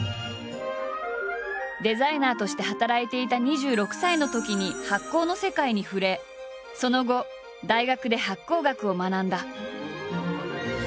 デザイナーとして働いていた２６歳のときに発酵の世界に触れその後大学で発酵学を学んだ。